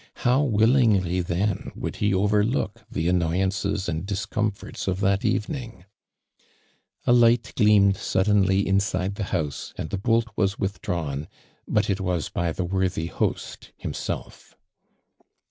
How willingly, then, would he over look the annoyances and discomforts of that evening I A light gleamed suddenly inside the house and the bolt was withdrawn, but it was by the worthy host himself.